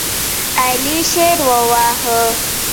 څنګه کولی شم د ښارۍ جوړولو تجارت وکړم